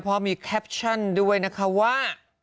เพราะมีแคปชั่นด้วยนะคะว่า